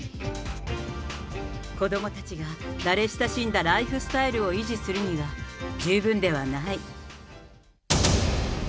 子どもたちが慣れ親しんだライフスタイルを維持するには十分ではない。